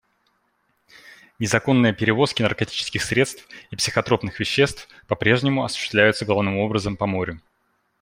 Незаконные перевозки наркотических средств и психотропных веществ по-прежнему осуществляются главным образом по морю.